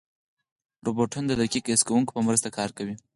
روبوټونه د دقیق حس کوونکو په مرسته کار کوي.